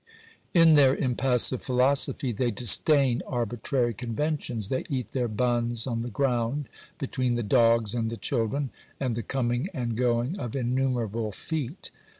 In their impassive philosophy they disdain arbitrary conventions, they eat their buns on the ground, between the dogs and the children, and the coming and going of innumerable feet.